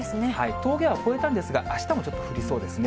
峠は越えたんですが、あしたもちょっと降りそうですね。